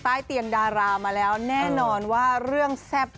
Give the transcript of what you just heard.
ใต้เตียงดารามาแล้วแน่นอนว่าเรื่องแซ่บ